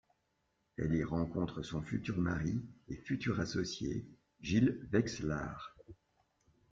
Elle y rencontre son futur mari et futur associé, Gilles Vexlard.